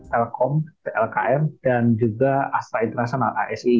telkom dlkm dan juga astra international